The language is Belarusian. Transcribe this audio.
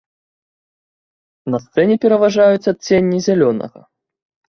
На сцэне пераважаюць адценні зялёнага.